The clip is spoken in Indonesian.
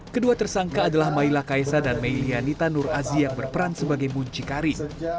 kedua tersangka adalah maila kaisa dan meilya nita nurazi yang berperan sebagai buncikari